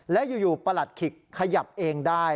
และอยู่ประหลัดขิกขยับเองได้